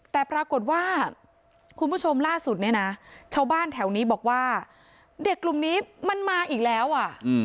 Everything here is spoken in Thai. แต่ปรากฏว่าคุณผู้ชมล่าสุดเนี่ยนะชาวบ้านแถวนี้บอกว่าเด็กกลุ่มนี้มันมาอีกแล้วอ่ะ